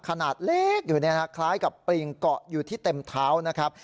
ขนาดเล็กอยู่คล้ายกับปริงเกาะอยู่ที่เต็มเท้านะครับ